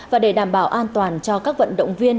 và để đảm bảo an toàn cho các vận động viên